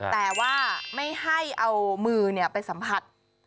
แต่ว่าไม่ให้เอามือไปสัมผัส